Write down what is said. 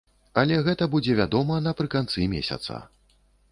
Але гэта будзе вядома напрыканцы месяца.